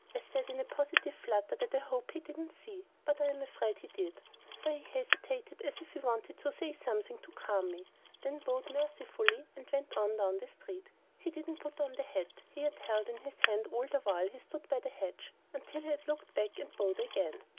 I said in a positive flutter that I hope he didn't see; but I am afraid he did, for he hesitated as if he wanted to say something to calm me, then bowed mercifully and went on down the street. He didn't put on the hat he had held in his hand all the while he stood by the hedge until he had looked back and bowed again.